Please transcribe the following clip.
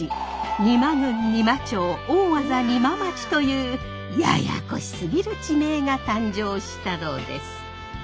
邇摩郡仁摩町大字仁万町というややこしすぎる地名が誕生したのです。